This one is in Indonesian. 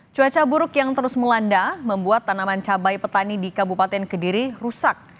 cuaca buruk yang terus melanda membuat tanaman cabai petani di kabupaten kediri rusak